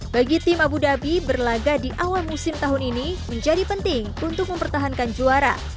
bagi tim abu dhabi berlaga di awal musim tahun ini menjadi penting untuk mempertahankan juara